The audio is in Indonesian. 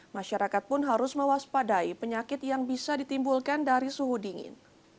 masyarakat pun harus mewaspadai penyakit yang bisa ditimbulkan dari suhu dingin